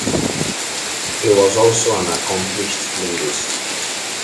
He was also an accomplished linguist.